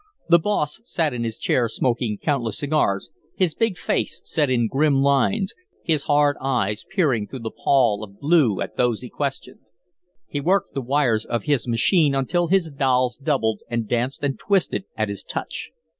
The boss sat in his chair smoking countless cigars, his big face set in grim lines, his hard eyes peering through the pall of blue at those he questioned. He worked the wires of his machine until his dolls doubled and danced and twisted at his touch.